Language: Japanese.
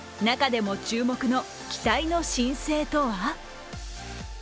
中でも注目の期待の新星とは？